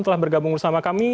telah bergabung bersama kami